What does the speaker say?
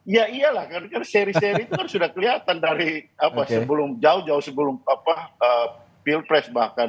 ya iyalah kan seri seri itu kan sudah kelihatan dari sebelum jauh jauh sebelum pilpres bahkan